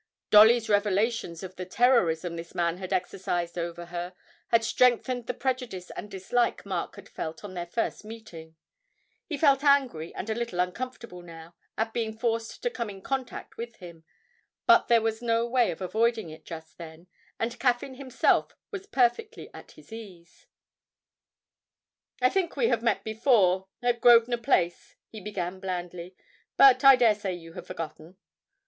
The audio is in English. Dolly's revelations of the terrorism this man had exercised over her had strengthened the prejudice and dislike Mark had felt on their first meeting; he felt angry and a little uncomfortable now, at being forced to come in contact with him, but there was no way of avoiding it just then, and Caffyn himself was perfectly at his ease. 'I think we have met before at Grosvenor Place,' he began blandly; 'but I dare say you have forgotten.'